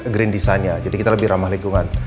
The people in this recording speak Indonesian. green design nya jadi kita lebih ramah lingkungan